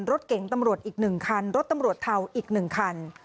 รถเก่งตำรวจอีก๑คันรถตำรวจเทาอีก๑คัน